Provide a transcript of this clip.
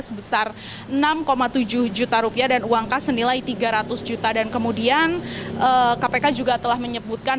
sebesar enam tujuh juta rupiah dan uang kas senilai tiga ratus juta dan kemudian kpk juga telah menyebutkan